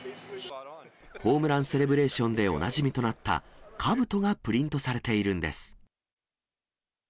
ホームランセレブレーションでおなじみとなった、かぶとがプリントされているんです。